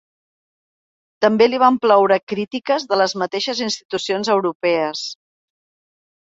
També li van ploure crítiques de les mateixes institucions europees.